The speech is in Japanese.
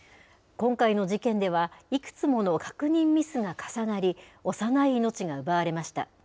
今回の事件では、いくつもの確認ミスが重なり、幼い命が奪われました。